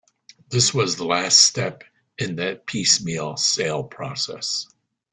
This was the last step in that piecemeal sale process.